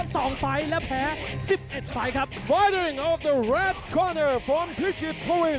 โชคมาแล้วสี่สิบเก้าไฟล์ชนะสามสิบหกไฟล์